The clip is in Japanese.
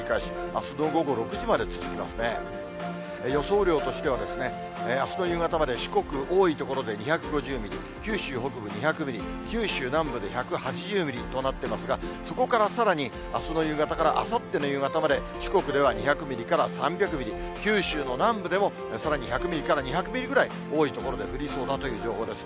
雨量としては、あすの夕方まで、四国、多い所で２５０ミリ、九州北部で２００ミリ、九州南部で１８０ミリとなっていますが、そこからさらにあすの夕方からあさっての夕方まで、四国では２００ミリから３００ミリ、九州の南部でもさらに１００ミリから２００ミリぐらい、多い所で降りそうだという情報です。